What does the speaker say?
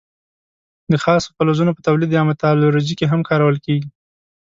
د خالصو فلزونو په تولید یا متالورجي کې هم کارول کیږي.